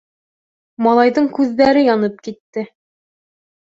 Малайҙың күҙҙәре янып китте.